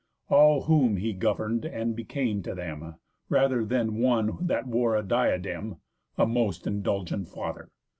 All whom he govern'd, and became to them, Rather than one that wore a diadem, A most indulgent father.